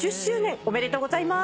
ありがとうございます。